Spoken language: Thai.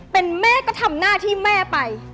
เป็นแม่ก็ทำหน้าที่แม่ไป